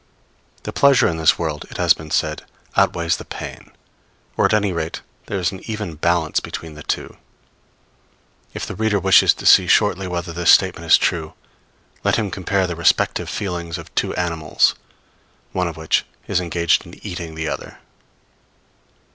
The pleasure in this world, it has been said, outweighs the pain; or, at any rate, there is an even balance between the two. If the reader wishes to see shortly whether this statement is true, let him compare the respective feelings of two animals, one of which is engaged in eating the other.